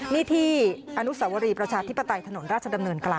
นี่ที่อนุสวรีประชาธิปไตยถนนราชดำเนินกลาง